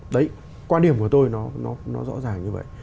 đấy quan điểm của tôi nó rõ ràng như vậy